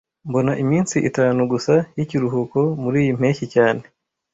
Mbona iminsi itanu gusa y'ikiruhuko muriyi mpeshyi cyane